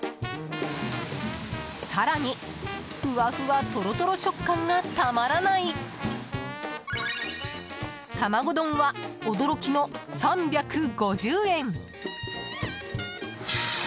更に、ふわふわトロトロ食感がたまらない玉子丼は驚きの３５０円。